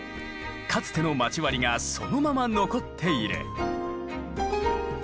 かつての町割りがそのまま残っている。